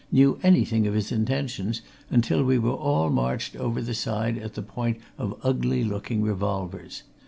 knew anything of his intentions until we were all marched over the side at the point of ugly looking revolvers.